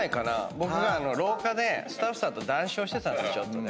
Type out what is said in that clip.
僕が廊下でスタッフさんと談笑してたのちょっとね。